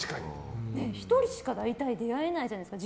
１人しか、大体出会えないじゃないですか。